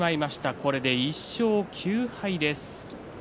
これで１勝９敗です。